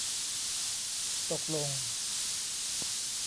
ตกลง